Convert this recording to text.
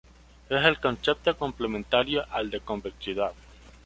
Es el concepto complementario al de convexidad.